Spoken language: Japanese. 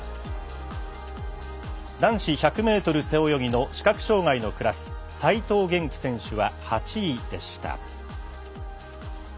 男子１００ｍ背泳ぎの視覚障がいのクラス齋藤元希選手は８位でした。